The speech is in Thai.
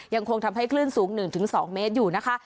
ยังคงทำให้คลื่นสูง๑๒เมตรอยู่นะคะ